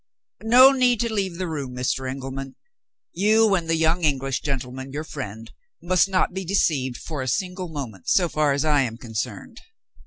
No need to leave the room, Mr. Engelman! You and the young English gentleman, your friend, must not be deceived for a single moment so far as I am concerned.